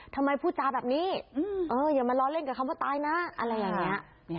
ทำไมผู้จ่าแบบนี้อย่ามาล้อเล่นกับคำว่าตายนะแบบนี้